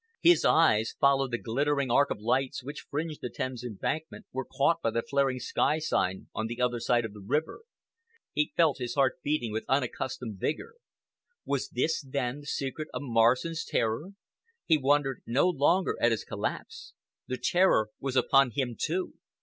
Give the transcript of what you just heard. His eyes followed the glittering arc of lights which fringed the Thames Embankment, were caught by the flaring sky sign on the other side of the river. He felt his heart beating with unaccustomed vigor. Was this, then, the secret of Morrison's terror? He wondered no longer at his collapse. The terror was upon him, too.